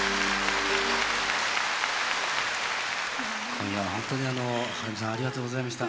今夜は本当にあのはるみさんありがとうございました。